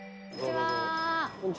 こんにちは。